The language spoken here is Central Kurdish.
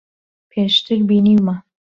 پێشتر بینیومە.